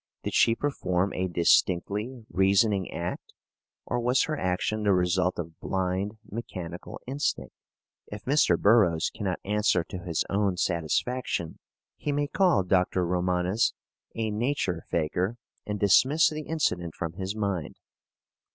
Did she perform a distinctly reasoning act? or was her action the result of blind, mechanical instinct? If Mr. Burroughs cannot answer to his own satisfaction, he may call Dr. Romanes a nature faker and dismiss the incident from his mind.